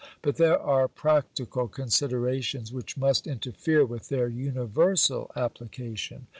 But there are practical considerations which must interfere with their universal application.